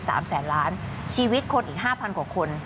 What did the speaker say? สามแสนล้านชีวิตคนอีกห้าพันกว่าคน